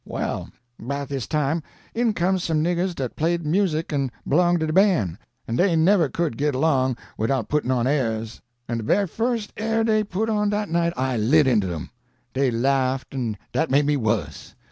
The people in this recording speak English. Well, 'bout dis time, in comes some niggers dat played music and b'long' to de ban', an' dey NEVER could git along widout puttin' on airs. 'An de very fust air dey put on dat night, I lit into em! Dey laughed, an' dat made me wuss.